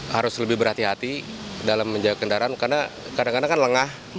harus lebih berhati hati dalam menjaga kendaraan karena kadang kadang kan lengah